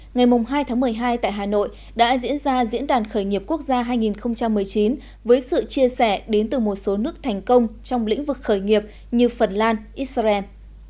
ngày hai tháng một mươi hai tại hà nội đã diễn ra diễn đàn khởi nghiệp quốc gia hai nghìn một mươi chín với sự chia sẻ đến từ một số nước thành công trong lĩnh vực khởi nghiệp như phần lan israel